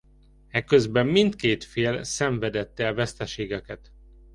Eközben mindkét fél szenvedett el veszteségeket.